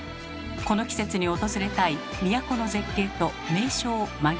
この季節に訪れたい都の絶景と名所を満喫します。